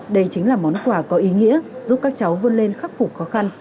đây chính là món quà có ý nghĩa giúp các cháu vươn lên khắc phục khó khăn